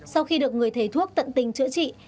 sau khi được người thầy thuốc tận tình chữa trị